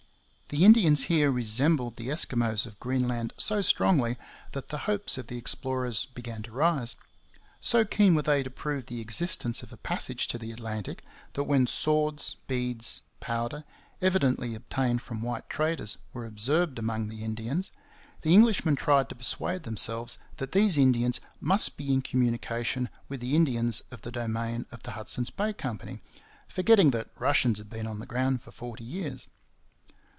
The Indians here resembled the Eskimos of Greenland so strongly that the hopes of the explorers began to rise. So keen were they to prove the existence of a passage to the Atlantic that when swords, beads, powder, evidently obtained from white traders, were observed among the Indians, the Englishmen tried to persuade themselves that these Indians must be in communication with the Indians of the domain of the Hudson's Bay Company, forgetting that Russians had been on the ground for forty years.